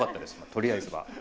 取りあえずは。